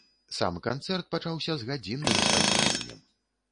Сам канцэрт пачаўся з гадзінным спазненнем.